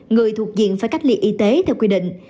người thuộc diện phải cách ly y tế theo quy định